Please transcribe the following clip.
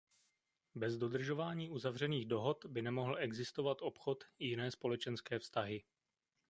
Bez dodržování uzavřených dohod by nemohl existovat obchod i jiné společenské vztahy.